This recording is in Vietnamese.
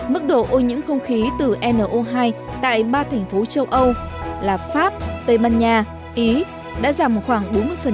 mức độ ô nhiễm không khí từ no hai tại ba thành phố châu âu là pháp tây ban nha ý đã giảm khoảng bốn mươi